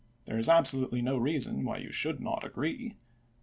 There is absolutely no reason why you should not agree.